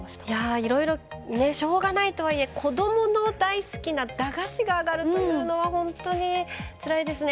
いろいろしょうがないとはいえ子供の大好きな駄菓子が上がるというのは本当につらいですね。